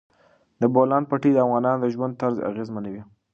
د بولان پټي د افغانانو د ژوند طرز اغېزمنوي.